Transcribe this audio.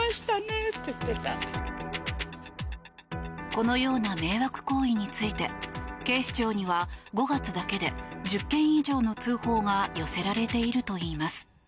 このような迷惑行為について警視庁には５月だけで１０件以上の通報が寄せられているといいます。